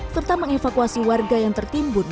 serta mengevakuasi warga yang tertimbun